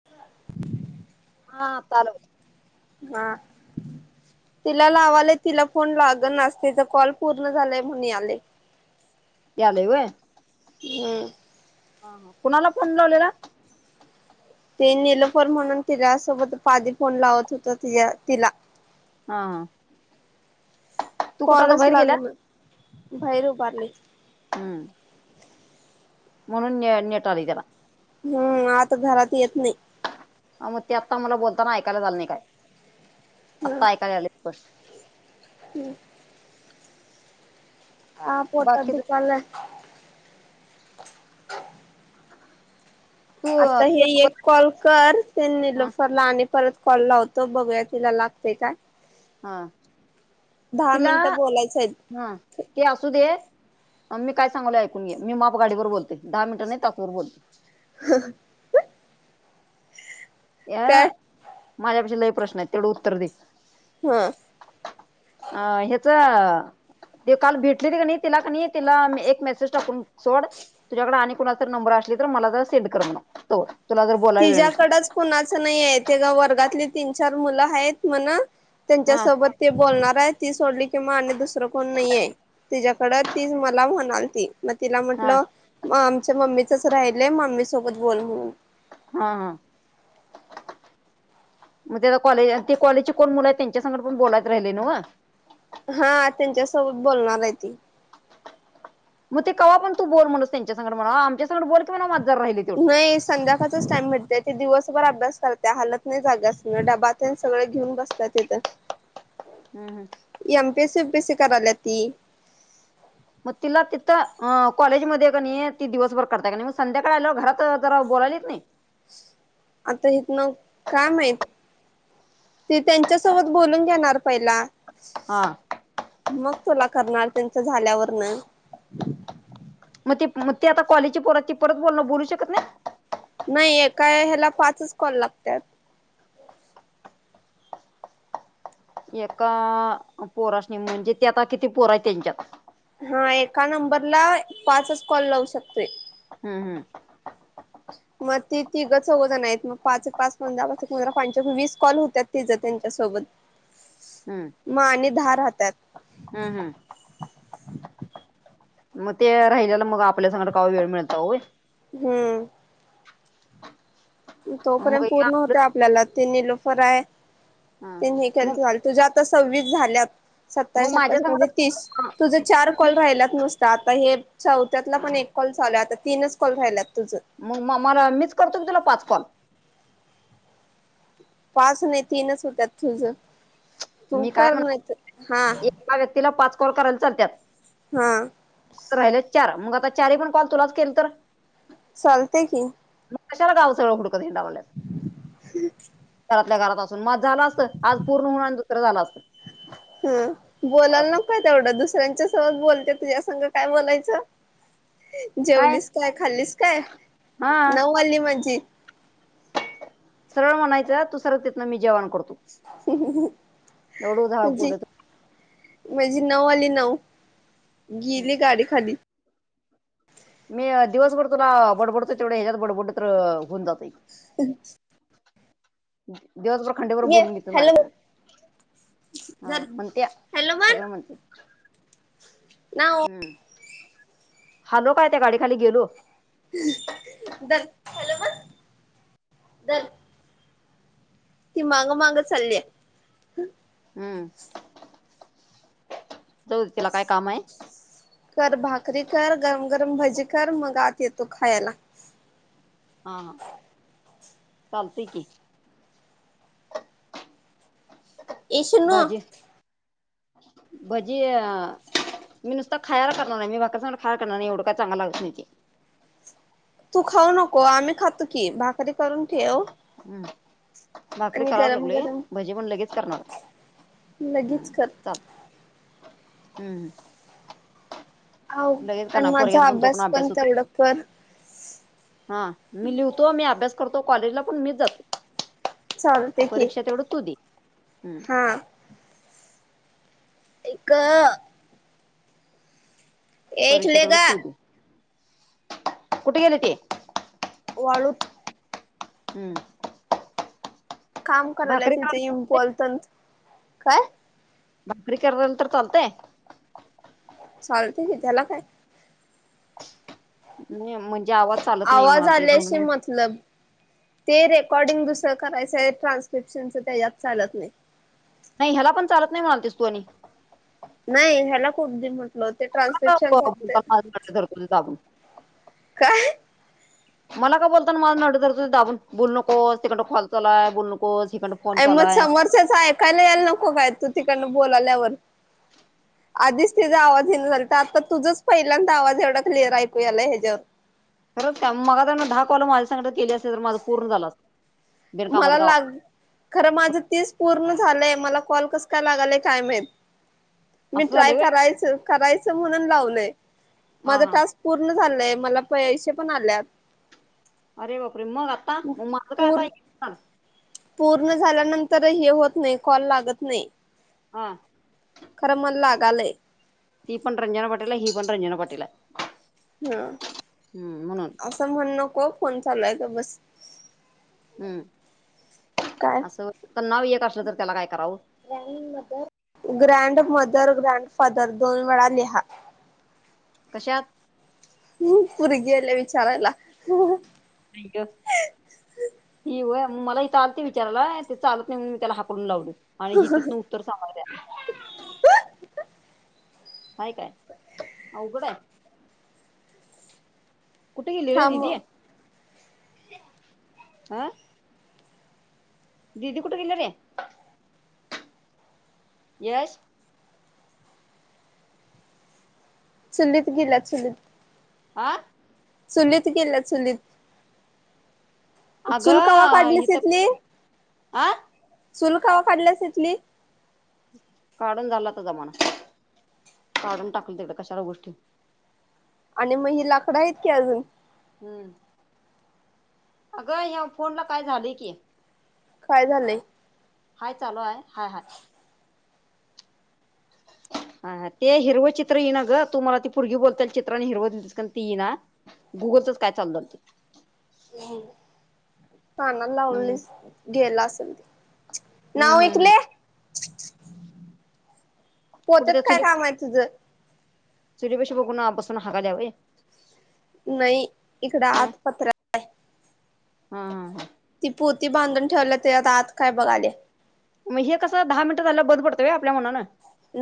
[inaudible] हा चालव! हा! तिला लावाले तिला फोन लागल नास त्याचा कॉल पूर्ण झालाय म्हणून आले. यायले व्हय. ह हा कुणाला फोन लावलेला? ते नीलफर म्हणून तिला सोबत पादी फोन लावत होत ति तिला हा ह कॉलच बाहेर गेल्या लागण बाहेर उभारले. हम्म म्हणून ने नेटल त्याला हम्म आता घरात येत नाही. मग ते आत्ता मला बोलताना ऐकायला झाले नाही काय आत्ता ऐकायला आले स्पष्ट हम्म. आ पोटात बाकीच दुखायलाय, तू आता ते हे एक कॉल कर ते हा निलफरला आणि परत कॉल लावतो बघूया तिला लागतेय का? हा दहा तिला मिनिटं बोलायचंय. हा ते असू दे. मी काय सांगललंय ऐक घे मी माप गाडीवर बोलते दहा मिनटं नाही तासवर बोलतो. हा काय अ माझ्यापेक्षा लही प्रश्न आहे तेवढं उत्तर दे? हा अ ह्याचा ते काल भेटली त क तिला कणी तिला एक मेसेज टाकून सोड तुझ्याकडे आणि कुणा नंबर असली तर मला जरा सेंड कर म्हणा तो तिच्या्याकडच कुणाचं नाही आहे ते ग वर्गातली तीन चार मुलं आहेत म्हण तर हा त्यांच्यासोबत ते बोलणार आहे ती सोडली किंवा आणि दुसरं कोण नाही आहे. तिच्या्याकड ती मला म्हणाल ती मग तिला हा म्हटलं आमच्या मम्मीचच राहिलंय मम्मी सोबत बोल म्हणून हा हा मग त्या कॉलेज कॉलेजची कोण मुलं आहे त्यांच्या सग पण बोलात राहिले ना व हा त्यांच्यासोबत बोलणार आहे त मग ते कवा्हा पण तू बोल म्हणूनस त्यांच्या म्हणा आमच्या बोल मजार र राहिले [inaudible] नाही संध्याकाळचाच टाइम म्हट त्याथे दिवसभर अभ्यास करत हलत नाही जागा असण डबात्यान सगळे घेऊन बसत्यात तिथे. हम् हम एमपीएसी यूपीएसी कराला ती मग तिला तिथं कॉलेजमध्येध्ये का नाही ती दिवसभर करताय का नाही मग संध्याकाळी आल्या घरात जरा बोलालीच नाही. आता इथ ना का माही ते त्यांच्यासोबत बोलून घेणार पहिला हा मग तुला करणार त्यांच झाल्यावरन मग ते ते आता कॉलेजची पोरात ती परत बोल बोलू शकत नाही. नाही एका ह्याला पाचच कॉल लागतात. एका पोरानी म्हणजे त्याता किती पोर आहे त्यांच्यात हा एका नंबरला पाचच कॉल लावू शकतोय. हम्म हम् मग तेी तिघं चौघ जण आहेत मग पाच एक पाच पंधरा पाच एक पंधरा वीस कॉल होतात तिचं त्यांच्यासोबत [inaudible] हम्म मा आणि दहा राहतात हम्म हम्म मग ते राहिल्याला मग आपल्या सांगड का वेळ मिळत होय हम्म मग तोपर्यंत हे पूर्ण आपलं होते आपल्याला तिनही लोफर आहे हा तीनही के मग चाल तुझ्या आता सव्वीस झाल्यात मग सत्तावीस माझ्या अठ्ठावी कोणी संगटच तीस तुझं चार कॉल राहिलाच नसता आता हे चौथ्यातला पण एक कॉल चालू आहेता तीनच कॉल राहिलात तुझं मग म मला मीच करतो मी तुला पाच कॉल पाच नाही तीनच होत्या तुझ मी काय हा म्हणात एका व्यक्तीला पाच कॉल करायला चालतत हम राहिले चार मग आता चारही पण कॉल तुलाच केल तर चालते की म कशाला गावचं उघडकंडावल्याच आपल्या घरात असून मग झालं असतं आज पूर्ण होऊुस झालं असत हा बोलाल न का तेवढं दुसऱ्यांच्या सोत बोलते तुझ्यासग काय बोलायचं जेवलीस काय खाल्लीच काय हा नऊ आली म्हणजी सरळ म्हणायचं तू सरळ त्या ना मी जेवाण करतो एवढं झालं जी बोलायचं म्हजे नऊ आली नऊ गेली गाडी खाली मी दिवसभर तुला बडबडत तेवढे ह्याच्यात बडबड तर होऊन जात हम् दिवस बरोर खंडे बरोर ये बोलून घेतो हॅलो माझ्यासग हा धर म्हणते हॅलो सगळं म्हणते ना हम् हलो काय त्या गाडीखाली गेलो दर हॅलो म दर ती माग माग चालली हम जाऊ तिला काय काम आहे कर भाकरी कर गरम गरम भजी कर मग आत येतो खायला हा चालतय की ए शनू भाजी भाजी मी नुसता खायर करणार नाही मी भा स खार करणार नाही एवढं काय चांग लागत नाहीे तू खाऊ नको आम्ही खातो की भाकरी करून ठेव. हम् भाकरी आणि कराार गरम लागलो गरम भजी पण लगेच करणार. लगेच हम्म, कर चालतंय हम्म हो लगेच आणि करणार माझा पोरग्याचा तो अभ्यास पण होतो तेवढा कर. हा मी लिहतो मी अभ्यास करतो कॉलेजला पण मीच जातो. चालते परीक्षा तेवढं तु देी् हां एक एक परीक्षा तेवढं लेगा तू दे कुठे गेले ते. वळद हम्म काम करायला तथ बोलत काय? भाकरी कर नंतर चालतेय चालते वि त्या्याला काय म्हणजे आवा आवाज आल्याशी मतलब ते रेकॉर्डिंग दुसरं करायचं ट्रान्स्क्रिप्शनच त्याच्यात चालत नाही नाही ह्याला पण चालत नाही मालतस तू. नाही ह्याला खुठदी म्हटल हो ते ट्रान्स्क्रिप्शन ते? कताबून काय ह मला का बोलता माझ नड रत दाबून बोलू नकोस तिककडं खोलचाला बोलू नकोसिककडं? आणि मग समरस्याच ऐकायला यायला नको काय तू तिकडनं बोलाल्यावर. आधीच तचा आवाज येन झाला तर आता तुझच पहिल्यांदा आवाज एवढा क्लिअर ऐकूयाला ह्याच्यावर. खरं मग त्यां दहा कॉल माझ्या सांगित गली असते तर माझं पूर्ण झालं अस बिरकामात मला गाव. लाग खरं माझं तीस पूर्ण झालंय मला कॉल कस काय लागालय काय माहित मी असं ट्राय झालंय व्हय करायच करायचं म्हणून लावलय हा माझ हा टास्क? पूर्ण झालंय मला पैसे पण आलेत. अरे भा प्रिमग आता म माल का पूर आता पूर्ण झाल्यानंतर हे होत नाही कॉल लागत नाही. हा खरं मन लागालय. ती पण रंजना पाटील ही पण रंजना पाट्टील. हा असं म्हण नको फोन चालूय का बस. काय हम्म असं तर नाव एक असलं तर त्याला काय करावं. ग्रँ म ग्रँड मदर ग्रँड फादर दोन वेळा लिहा. कशाात हम् पुुर्गीले विचारला. क ही वय मग मला चालते विचारयला ते चालत नाही मी त्याला हाकडून लाव. आणि हि तिथनं उत्तर सांग! हय काय उघडं आहे. कुठ थांब गलेरती हह दीदी कुठे कन रे. येस चुलीत गेला चुलीत हठ सुनीत गेल्या सुनीत चूल कवा अगं काढलीस इथ आं चुलखावा काढल्यासेतली काढून झाला तर जमाना काढून टाकल तिकडे कशाला गोष्टी आणि मग हि लाकडा आहेत की अजून हम्म अगं ह्या फोनला काय झाले की काय झालंय हय चालो आहेय हय हय हा ते हिरवं चित्र येईना ग तुमला ती पुरगी बोलता येल चित्र आणि हिरव दिस ती येई ना गुगलच काय चालू होम हा ना लावूनली हम्म. गेला असेल त हम्म नाव हम्म हम्म इऐकले कुठे पोतच काय कामा आहे तुझ चुरीपेशी बघून बसून हालाववेय नाही इकडं आतपत्र हा हा हा ती पोर्ती बांधून ठेवलं ते आत काय बघाले. मग हे कसं दहा मिनटं झालं बद पडतंय आपल्या मनां.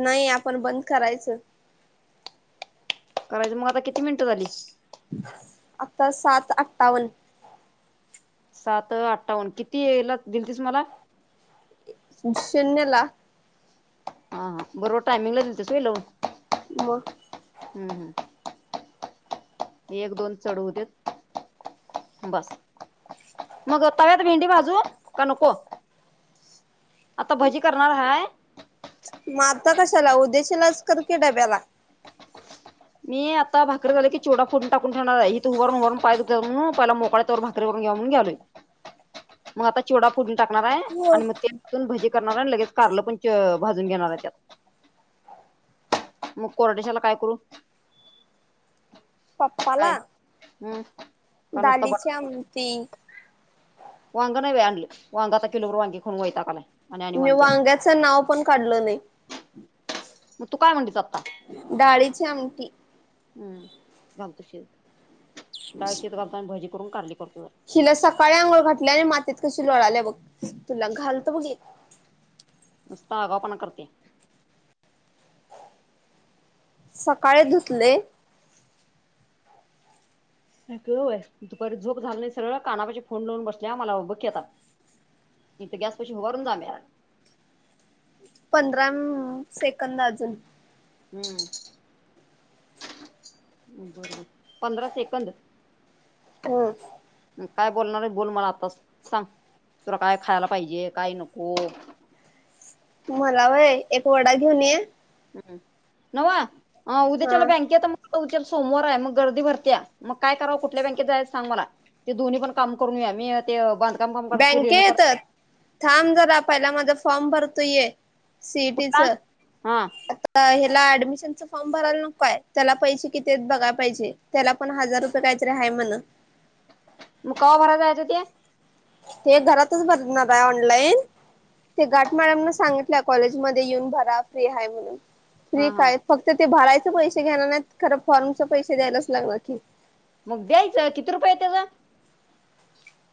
नाही आपण बंद करायचं करायचं मग आता किती मिनिटं झालीस. आता सात अठ्ठावन्न सात अठ्ठावन्न कितीला दिलतीस मला शेन्यला हा हा बरोबर टायमिंगला दिल तसई लावून मग हम्म हम् एक दोन चढवू देत बस मग तव्यात भेंडी भाजू का नको आता भजी करणार हाय माता कशाला उदेशलाच करके डब्याला मी आता भाकरी झाले की चोडा फोून टाकून ठेणार आहे तू हर हर पा पहिला मोकळा त्यावर भा घेून घेलोय मग आता चिवडा फढून टाकणार आहे हो आणि मग ते भजी करणार आणि लगेच कारल पण भाजून घेणार आहे त्यात मग कोरटशाला काय करू काय पाप्पाला हम् का नुसता डालीची बटाटा आमटी वांग नाही आणलं वांग आता किलोवर वांगी खऊन वयता काय मी वांग्याचं नाव पण काढलं नाही मग तू काय म्हणतीित आता डाळीची आमटी हम्म घालतो शी डाळ शीत घालतो आणि भजी करून काढली करते जरा हिला सकाळी आंघोळ घाटल्या आणि मातीत कशी लोळाल्या बघ तुला घालत बघ नुसता आगं पण करते सकाळी धुतले ळ दुपारी झोप झालं नाही सरळ कानापाचे फोन लावून बसल्या मला बघकीी आता तथं गॅस पशी ह वाारून जा्याला पंधरा सेकंद अजून हम्म बर पंधरा सेकंद हम् काय बोलणार बोल मला आताच सांग तुला काय खायला पाहिजे काय नको मला वय एक वडा घेऊन ये हम् नवा उद्या चला हा बँकता तुच्यात सोमवार आहे मग गर्दी भरती मग काय करावं कुठल्या बँकेत जायचं सांग मला ते दोन्ही पण काम कर मी ते बांध बँके येत थांब झाला पहिला माझा फॉर्म भरतोय सीटीच कुठला हा ह्याला ऍडमिशन फॉर्म भरायला नकोय त्याला पैसे किती बघायला पाहिजे त्याला पण हजार रुपये कायच रहाय म्हण मग का भरा जायचं ते ते घरातच भरणार आहे ऑनलाईन ते घाट मॅडम न सांगितलं कॉलेजमध्ये येऊन भरा फ्री आहे म्हणून हा हा काय फक्त ते भरायचे पैसे घेणार नाही खर फॉर्मच पैसे द्यायलाच लागणार की मग द्यायचं किती रुपये त्याचा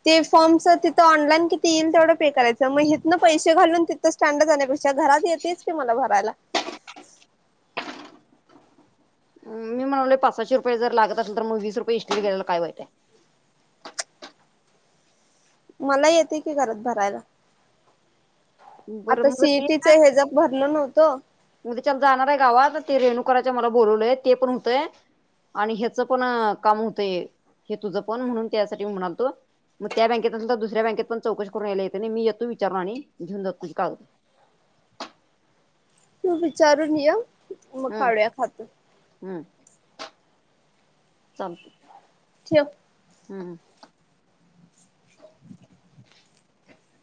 ते फॉर्मच तिथं ऑनलाईन किती येईल तेवढं पे करायचं मग हेेत ना पैसे घालून स्टँडर्ड जाण्यापेक्षा घरात येतेच की मला भरायला मी म्हणवले पाचशे रुपये जर लात असल तर मग वी रुपये इशले गेला काय वाईट आहे मला येते की घरात भरायला बरं आता मग सीटीच हे ज भरलं नव्हतं म्हगजे चल जाणार आहे गावात ते रेणुकरच्या मला बोलवलंय ते पण होतय आणि ह्याचं पण काम होतंय हे तुझं पण म्हणून त्यासाठी म्हणालतो मग त्या बँकेत असल तर दुसऱ्या बँकेत पण चौकश करूनय येते नाही मी य तू विचारणार आणि घेऊन ज तुझ काळ तू विचारून ये हम्म मखाड्या खात हम्म संप जे हम्म